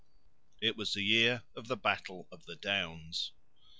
It was the year of the battle of the Downs.